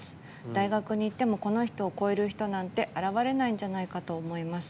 大学を行ってもこの人を超える人なんて現れないんじゃないかと思います。